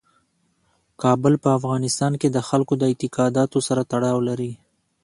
کابل په افغانستان کې د خلکو د اعتقاداتو سره تړاو لري.